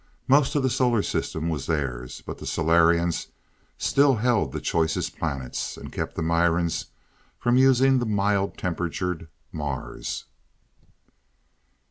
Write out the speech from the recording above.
Most of the Solar system was theirs. But the Solarians still held the choicest planets and kept the Mirans from using the mild temperatured Mars.